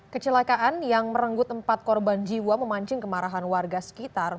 kecelakaan yang merenggut empat korban jiwa memancing kemarahan warga sekitar